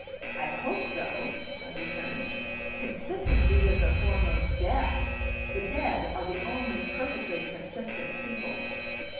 "I hope so," I returned. "Consistency is a form of death. The dead are the only perfectly consistent people."